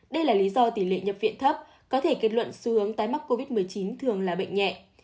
đây là lý do tỷ lệ nhập viện thấp có thể kết luận xu hướng tái mắc covid một mươi chín thường là bệnh nhẹ